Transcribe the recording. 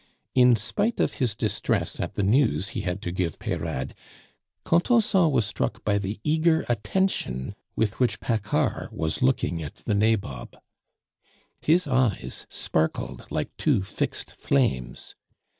In spite of his distress at the news he had to give Peyrade, Contenson was struck by the eager attention with which Paccard was looking at the nabob. His eyes sparkled like two fixed flames.